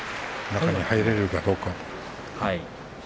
中に入れるかどうか。